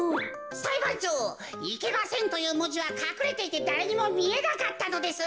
さいばんちょう「いけません」というもじはかくれていてだれにもみえなかったのです。